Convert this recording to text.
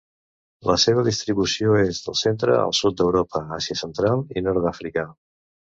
La seva distribució és del centre al sud d'Europa, Àsia occidental i nord d'Àfrica.